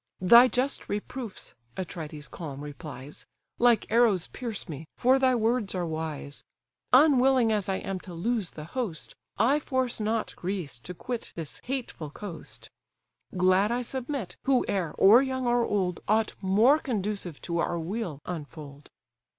"Thy just reproofs (Atrides calm replies) Like arrows pierce me, for thy words are wise. Unwilling as I am to lose the host, I force not Greece to quit this hateful coast; Glad I submit, whoe'er, or young, or old, Aught, more conducive to our weal, unfold."